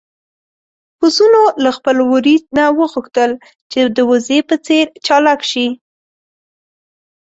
پسونو له خپل وري نه وغوښتل چې د وزې په څېر چالاک شي.